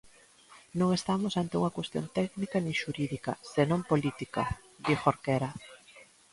"Non estamos ante unha cuestión técnica nin xurídica", senón "política", di Jorquera.